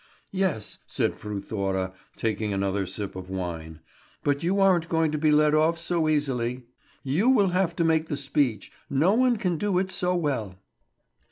"Yes," said Fru Thora, taking another sip of wine. "But you aren't going to be let off so easily. You will have to make the speech. No one can do it so well."